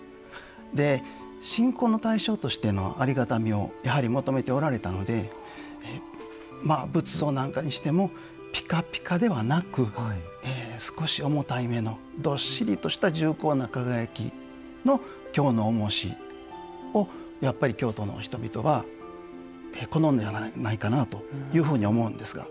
で信仰の対象としてのありがたみをやはり求めておられたのでまあ仏像なんかにしてもピカピカではなく少し重たいめのどっしりとした重厚な輝きの「京の重押し」をやっぱり京都の人々は好んでやまないかなというふうに思うんですが。